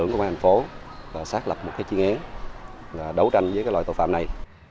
công an thành phố xác lập một cái chuyên án đấu tranh với loại tội phạm này